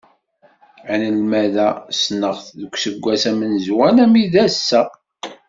Anelmad-a ssneɣ-t deg uesggas amenzu alammi d ass-a.